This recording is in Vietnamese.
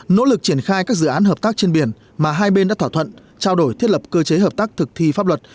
nỗ lực triển khai các dự án hợp tác trên biển mà hai bên đã thỏa thuận trao đổi thiết lập cơ chế hợp tác thực thi pháp luật